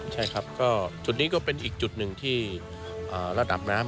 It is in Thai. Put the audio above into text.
ใช่ครับก็จุดนี้ก็เป็นอีกจุดหนึ่งที่ระดับน้ำ